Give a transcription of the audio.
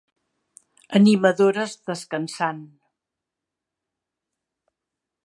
animadores descansant